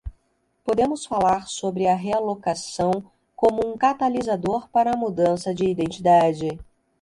Podemos falar sobre a realocação como um catalisador para a mudança de identidade.